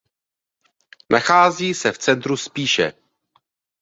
Nachází se v centru Spiše.